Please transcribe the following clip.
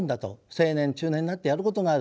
青年中年になってやることがある。